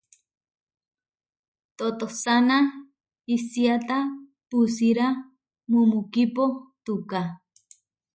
Totosána isiáta pusíra mumukipo tuká.